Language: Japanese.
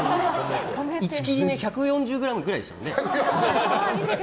１切り目１４０ｇぐらいでしたもんね。